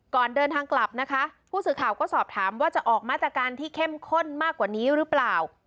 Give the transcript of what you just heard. ก่อนเดินทางกลับนะคะผู้สื่อข่าวก็สอบถามว่าจะออกมาตรการที่เข้มข้นมากกว่านี้หรือเปล่า